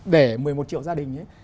để một mươi một triệu gia đình